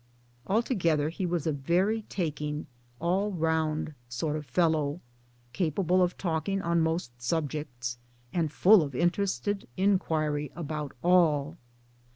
Altogether he was a very taking, all round sort of fellow, capable of talking on most subjects, and full of interested inquiry about all.